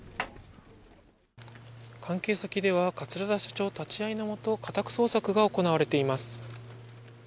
関係先では桂田社長立ち会いのもと家宅捜索が行われています。